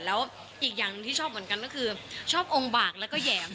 แล้วอีกอย่างที่ชอบเหมือนกันชอบองค์บากแล้วก็แหย่ม